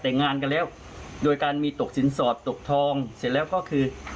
แต่งงานกันแล้วโดยการมีตกสินสอดตกทองเสร็จแล้วก็คือ